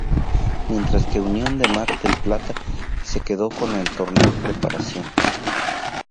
Mientras que Unión de Mar del Plata se quedó con el Torneo Preparación.